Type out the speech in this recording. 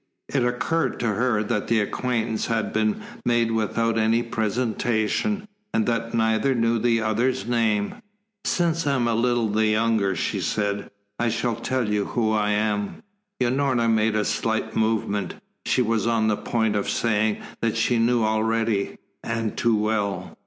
It occurred to her that the acquaintance had been made without any presentation, and that neither knew the other's name. "Since I am a little the younger," she said, "I should tell you who I am." Unorna made a slight movement. She was on the point of saying that she knew already and too well.